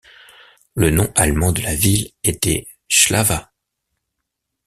Le nom allemand de la ville était Schlawa.